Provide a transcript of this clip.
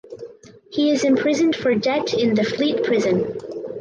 He is imprisoned for debt in the Fleet Prison.